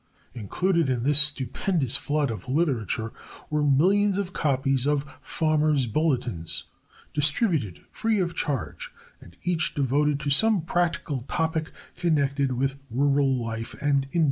Included in this stupendous flood of literature were millions of copies of Farmers' Bulletins, distributed free of charge, and each devoted to some practical topic connected with rural life and industries.